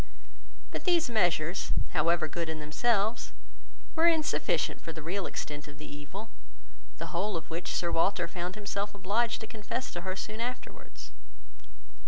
But these measures, however good in themselves, were insufficient for the real extent of the evil, the whole of which Sir Walter found himself obliged to confess to her soon afterwards.